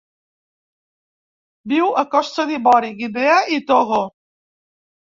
Viu a Costa d'Ivori, Guinea i Togo.